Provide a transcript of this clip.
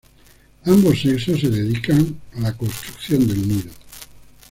Ambos sexos se dedican a la construcción del nido.